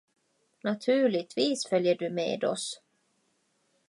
Naturligtvis följer du med oss.